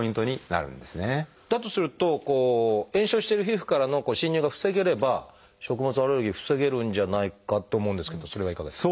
だとすると炎症してる皮膚からの侵入が防げれば食物アレルギー防げるんじゃないかと思うんですけどそれはいかがですか？